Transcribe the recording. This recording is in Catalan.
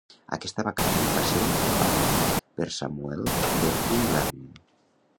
Aquesta vacant va ser ocupada per Samuel D. Ingham.